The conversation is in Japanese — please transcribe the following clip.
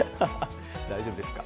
大丈夫ですか？